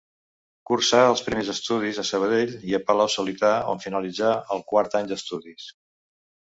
Cursa els primers estudis, a Sabadell i a Palau-solità, on finalitza el quart any d'estudis.